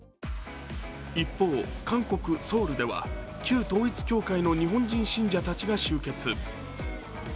一方、韓国ソウルでは旧統一教会の日本人信者たちが集結。